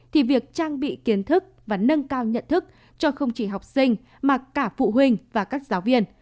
thì việc trang bị kiến thức và nâng cao nhận thức cho không chỉ học sinh mà cả phụ huynh và các giáo viên